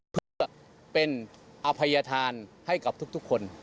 เพื่อเป็นอภัยธานให้กับทุกคน